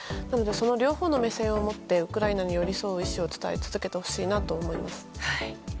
両方の面を持ってウクライナに寄り添う意思を伝え続けてほしいなと思います。